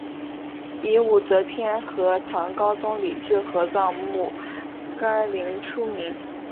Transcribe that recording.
以武则天和唐高宗李治合葬墓干陵出名。